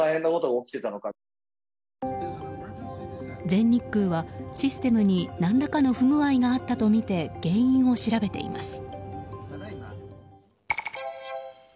全日空は、システムに何らかの不具合があったとみて原因を調べています。